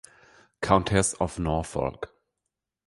Countess of Norfolk.